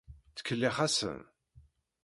Tkellex-asen.